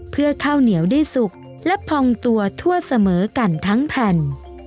เพื่อข้าวเหนียวได้สุกและพองตัวทั่วเสมอกันทั้งแผ่น